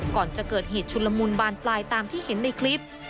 ก่อนจะเกิดเหตุชุนละมุนบานปลายตามที่เห็นในคลิป